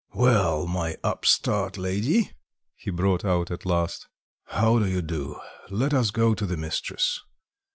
"Well, my upstart lady," he brought out at last, "how do you do? let us go to the mistress."